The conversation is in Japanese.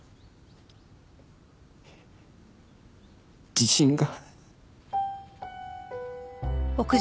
自信が。